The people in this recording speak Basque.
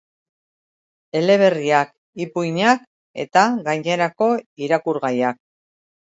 Eleberriak, ipuinak eta gainerako irakurgaiak.